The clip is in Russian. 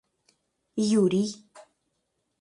Юрий